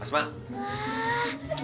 bisa buka sendiri